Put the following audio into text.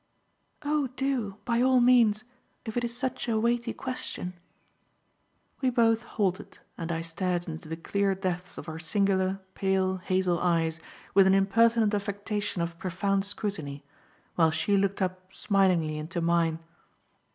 "Oh, do, by all means, if it is such a weighty question." We both halted and I stared into the clear depths of her singular, pale hazel eyes with an impertinent affectation of profound scrutiny, while she looked up smilingly into mine.